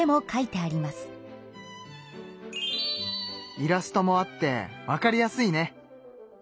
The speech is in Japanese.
イラストもあってわかりやすいね。